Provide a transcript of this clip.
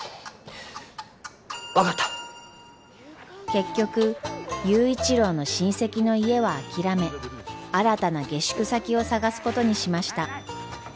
結局佑一郎の親戚の家は諦め新たな下宿先を探すことにしました。